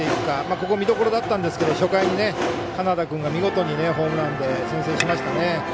ここは見どころだったんですが初回に花田君が見事にホームランで先制しましたね。